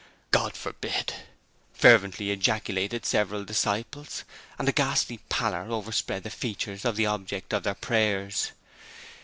'God forbid!' fervently ejaculated several disciples, and a ghastly pallor overspread the features of the object of their prayers.